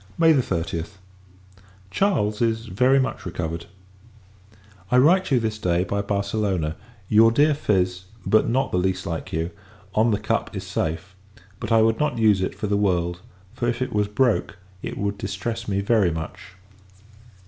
May 30th. Charles is very much recovered. I write you, this day, by Barcelona. Your dear phiz but not the least like you on the cup, is safe: but I would not use it, for the world; for, if it was broke, it would distress me very much.